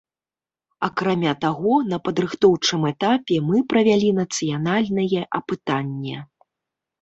Акрамя таго, на падрыхтоўчым этапе мы правялі нацыянальнае апытанне.